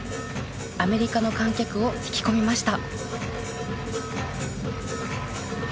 アメリカの観客を引き込みました。